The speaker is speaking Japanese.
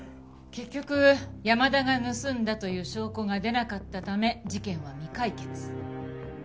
結局山田が盗んだという証拠が出なかったため事件は未解決。